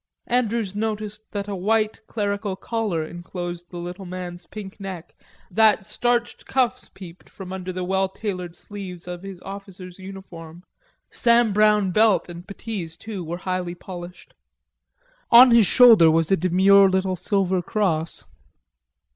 Andrews noticed that a white clerical collar enclosed the little man's pink neck, that starched cuffs peeped from under the well tailored sleeves of his officer's uniform. Sam Brown belt and puttees, too, were highly polished. On his shoulder was a demure little silver cross.